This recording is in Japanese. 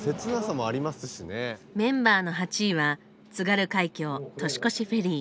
メンバーの８位は「津軽海峡年越しフェリー」。